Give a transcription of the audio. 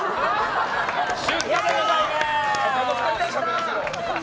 出荷でございます！